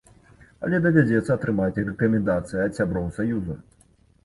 Але давядзецца атрымаць рэкамендацыі ад сяброў саюза.